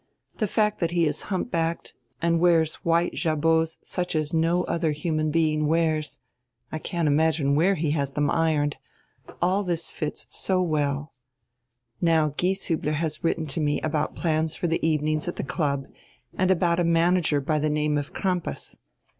The fact that he is humpbacked and wears white jabots such as no other human being wears — I can't imagine where he has them ironed — all this fits so well. Now Gieshiibler has written to me about plans for the evenings at the club, and about a manager by the name of Crampas.